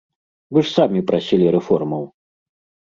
Вы ж самі прасілі рэформаў!